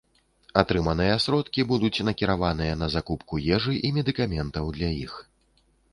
Атрыманыя сродкі будуць накіраваныя на закупку ежы і медыкаментаў для іх.